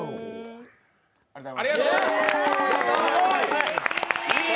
ありがとうございます。